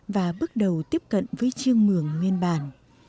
và bước đầu tiếp cận với chiêng mường nguyên bản